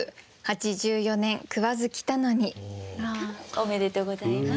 おめでとうございます。